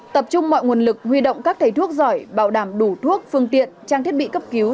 tập trung mọi nguồn lực huy động các thầy thuốc giỏi bảo đảm đủ thuốc phương tiện trang thiết bị cấp cứu